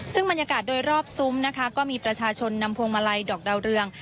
ซึ่งบรรยากาศโดยรอบซุ้มนะคะก็มีประชาชนนำพวงมาลัยดอกดาวเรือง